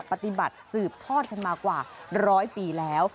ปฏิบัติสืบทอดกันมากว่าร้อยปีแล้ว